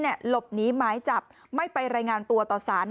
หลบหนีไม้จับไม่ไปรายงานตัวต่อศาสน์